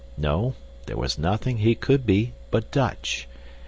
No, there was nothing he could be but Dutch.